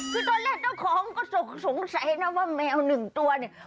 คือตอนแรกเจ้าของก็สงสัยนะว่าแมวหนึ่งตัวเนี่ย